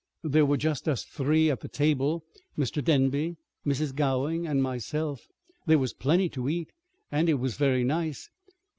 There were just us three at the table, Mr. Denby, Mrs. Gowing, and myself. There was plenty to eat, and it was very nice.